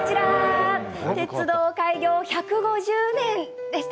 鉄道開業１５０年です。